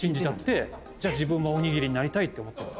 自分もおにぎりになりたいって思ってるんですよ。